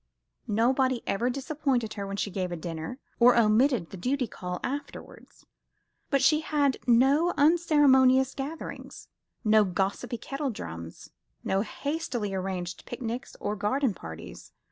Nobody ever disappointed her when she gave a dinner, or omitted the duty call afterwards; but she had no unceremonious gatherings, no gossipy kettle drums, no hastily arranged picnics or garden parties.